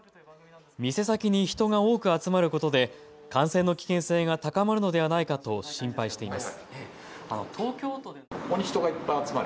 店先に人が多く集まることで感染の危険性が高まるのではないかと心配しています。